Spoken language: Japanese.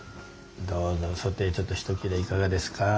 どうぞソテーちょっとひと切れいかがですか？